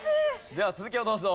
では続きをどうぞ。